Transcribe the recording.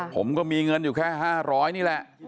ผมก็มีเงินอยู่แค่๕๐๐นี่แหละ